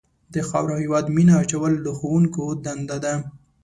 د خاورې او هېواد مینه اچول د ښوونکو دنده ده.